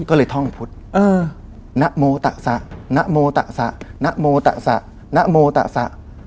ก็เลยท่องพุทธนโมตะสะนโมตะสะนโมตะสะนโมตะสะ